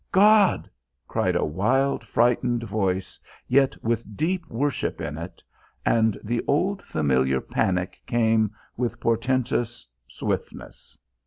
"God!" cried a wild, frightened voice yet with deep worship in it and the old familiar panic came with portentous swiftness.